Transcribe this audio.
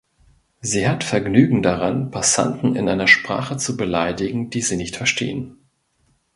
Sie hat Vergnügen daran, Passanten in einer Sprache zu beleidigen, die sie nicht verstehen.